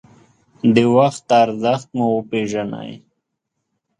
د وخت ارزښت مو وپېژنئ.